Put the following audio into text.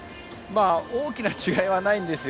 大きな違いはないんです。